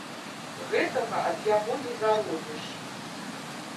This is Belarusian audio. Гэтага ад яго не заробіш.